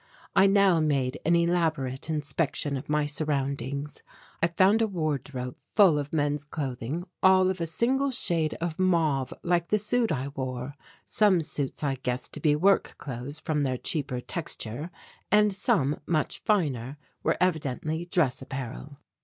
I now made an elaborate inspection of my surroundings. I found a wardrobe full of men's clothing, all of a single shade of mauve like the suit I wore. Some suits I guessed to be work clothes from their cheaper texture and some, much finer, were evidently dress apparel.